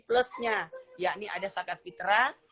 plusnya yakni ada zakat fitrah